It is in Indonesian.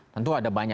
tentu ada banyak